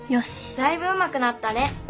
だいぶうまくなったね。